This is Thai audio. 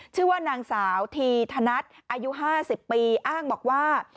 ชื่อว่านางสาวทีธนัดอายุ๕๐ปีอ้างบอกว่า